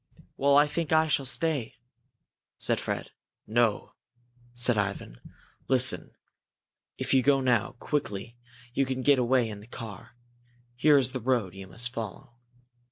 "Well, I think I shall stay," said Fred. "No," said Ivan. "Listen! If you go now, quickly, you can get away in the car. Here is the road you must follow."